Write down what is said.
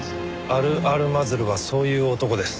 アル・アルマズルはそういう男です。